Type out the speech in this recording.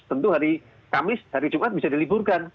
tentu hari kamis hari jumat bisa diliburkan